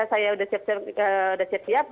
saya udah siap siap